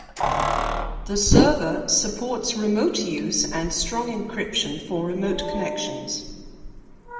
The server supports remote use and strong encryption for remote connections.